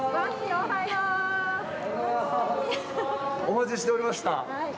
お待ちしておりました。